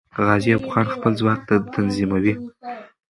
غازي ایوب خان خپل ځواک تنظیموي.